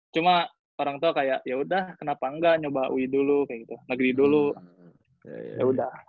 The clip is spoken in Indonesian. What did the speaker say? cuma orang tua kayak yaudah kenapa enggak nyoba ui dulu kayak gitu negeri dulu ya udah